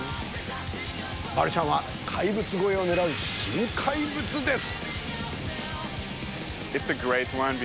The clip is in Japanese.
マルシャンは怪物超えを狙う新怪物です。